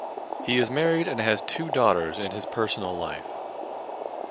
He is married and has two daughters in his personal life.